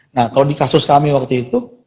nah kalau di kasus kami waktu itu